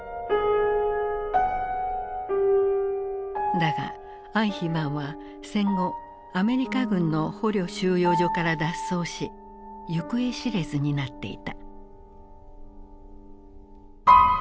だがアイヒマンは戦後アメリカ軍の捕虜収容所から脱走し行方知れずになっていた。